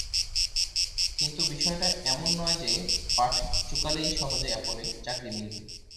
কিন্তু বিষয়টা এমন নয় যে পাঠ চুকালেই সহজে অ্যাপলে চাকরি মিলবে।